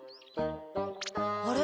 あれ？